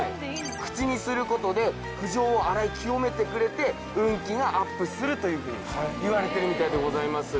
口にする事で不浄を洗い清めてくれて運気がアップするというふうにいわれてるみたいでございます。